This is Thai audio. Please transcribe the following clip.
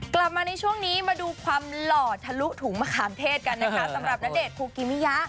กลับมาในช่วงนี้มาดูความหล่อทะลุถุงมะขามเทศกันนะคะสำหรับณเดชนคูกิมิยะ